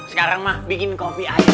sekarang mah bikin kopi air dulu